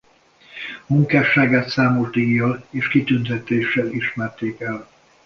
Munkásságát számos díjjal és kitüntetéssel ismerték el.